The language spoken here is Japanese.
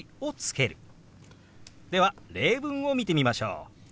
では例文を見てみましょう。